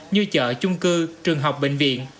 như chợ chung cư trường học bệnh viện